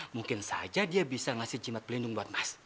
mungkin saja dia bisa ngasih jimat pelindung buat mas